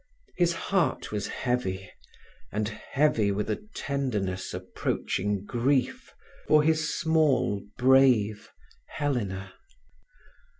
His heart was heavy, and heavy with a tenderness approaching grief, for his small, brave Helena.